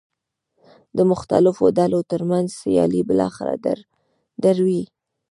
د مختلفو ډلو ترمنځ سیالۍ بالاخره دروي.